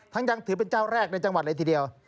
ยังถือเป็นเจ้าแรกในจังหวัดเลยทีเดียว